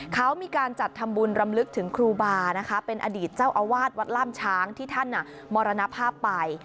เขามีการจัดทำบุญรำลึกถึงครูบานะคะเป็นอดีตเจ้าอาวาสวัดล่ามช้างที่ท่านมรณภาพไป